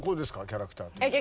キャラクター。